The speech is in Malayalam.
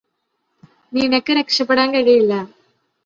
നിനക്ക് രക്ഷപ്പെടാന് കഴിയില്ല